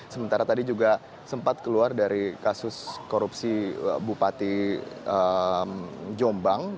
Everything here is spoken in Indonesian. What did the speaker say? sementara tadi juga sempat keluar dari kasus korupsi bupati jombang